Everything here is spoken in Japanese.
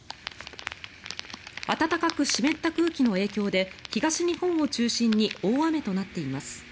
暖かく湿った空気の影響で東日本を中心に大雨となっています。